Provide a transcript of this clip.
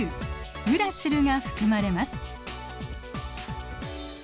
ウラシルが含まれます。